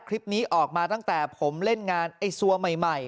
คลิปนี้ออกมาตั้งแต่ผมเล่นงานไอ้ซัวใหม่